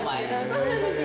そうなんですよ。